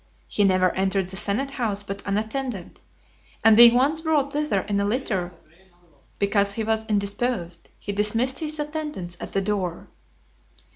He never entered the senate house but unattended; and being once brought thither in a litter, because he was indisposed, he dismissed his attendants at the door.